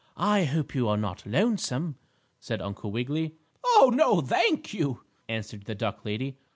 "I hope you are not lonesome," said Uncle Wiggily. "Oh, no, thank you," answered the duck lady.